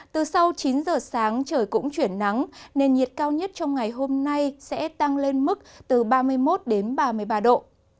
từ sau chín giờ sáng trời cũng chuyển nắng nền nhiệt cao nhất trong ngày hôm nay sẽ tăng lên mức từ ba mươi một đến ba mươi ba độ